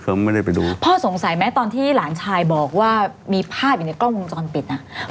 เขาไม่ได้ไปดูพ่อสงสัยไหมตอนที่หลานชายบอกว่ามีภาพอยู่ในกล้องวงจรปิดอ่ะ